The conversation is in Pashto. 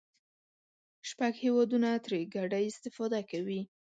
شپږ هېوادونه ترې ګډه استفاده کوي.